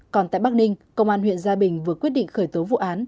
còn tại bắc ninh công an huyện gia bình vừa quyết định khởi tố vụ án